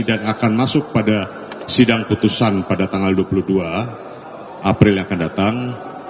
dan akan masuk pada sidang keputusan pada tanggal dua puluh dua april yang akan datang